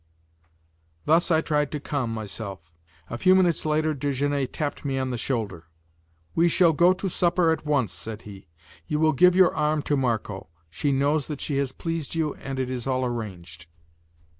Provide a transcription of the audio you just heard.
Thus I tried to calm myself. A few minutes later Desgenais tapped me on the shoulder. "We shall go to supper at once," said he. "You will give your arm to Marco; she knows that she has pleased you and it is all arranged."